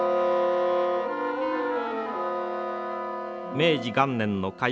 明治元年の開港